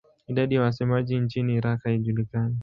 Idadi ya wasemaji nchini Iraq haijulikani.